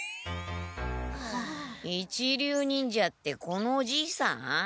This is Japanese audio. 一流忍者ってこのお爺さん？